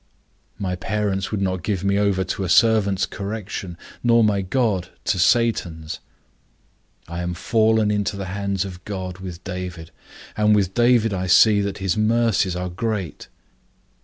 My parents would not give me over to a servant's correction, nor my God to Satan's. I am fallen into the hands of God with David, and with David I see that his mercies are great.